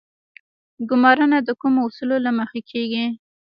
ګمارنه د کومو اصولو له مخې کیږي؟